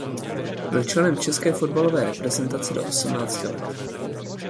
Byl členem české fotbalové reprezentace do osmnácti let.